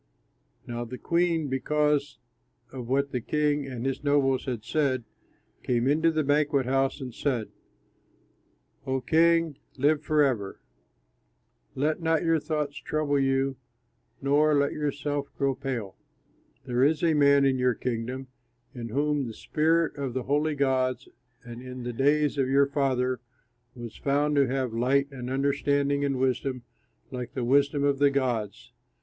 Now the queen, because of what the king and his nobles had said, came into the banquet house and said, "O king, live forever; let not your thoughts trouble you nor let yourself grow pale. There is a man in your kingdom in whom is the spirit of the holy gods, and in the days of your father he was found to have light and understanding and wisdom, like the wisdom of the gods.